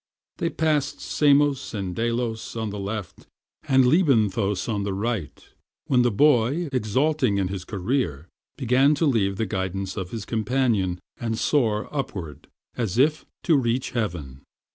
They passed Samos and Delos on the left and Lebynthos on the right, when the boy, exulting in his career, began to leave the guidance of his companion and soar upward as if to reach heaven.